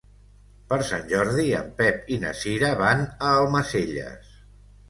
Per Sant Jordi en Pep i na Cira van a Almacelles.